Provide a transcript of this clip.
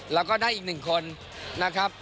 แล้วก็ได้อีก๑คนนะครับ